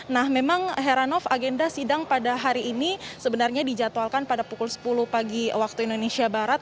nah memang heranov agenda sidang pada hari ini sebenarnya dijadwalkan pada pukul sepuluh pagi waktu indonesia barat